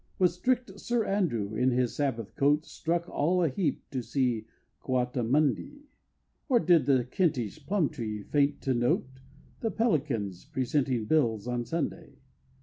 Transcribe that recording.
Was strict Sir Andrew, in his sabbath coat, Struck all a heap to see a Coati Mundi? Or did the Kentish Plumtree faint to note The Pelicans presenting bills on Sunday?